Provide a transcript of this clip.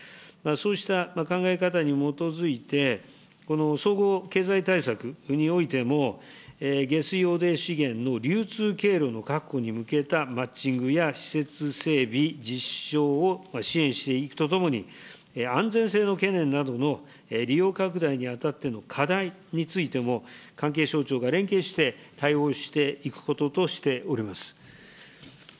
そうした考え方に基づいて、総合経済対策においても、下水汚泥資源の流通経路の確保に向けたマッチングや施設整備実証を支援していくとともに、安全性の懸念などの利用拡大にあたっての課題についても、関係省庁が連携して対応していくこととしております。